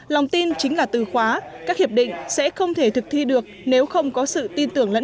lòng tin chính là từ khóa các hiệp định sẽ không thể thực thi được nếu không có sự tin tưởng lẫn